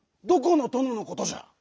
どこのとののことじゃ？